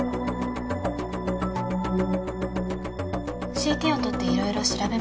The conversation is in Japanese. ＣＴを撮っていろいろ調べました。